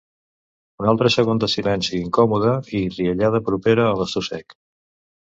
Un altre segon de silenci incòmode i riallada propera a l'estossec.